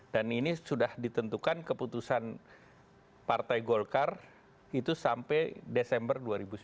dan ini sudah ditentukan keputusan partai golkar itu sampai desember dua ribu sembilan belas